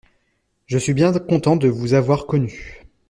Je suis bien content de vous avoir connus.